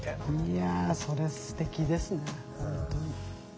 いやそれすてきですね。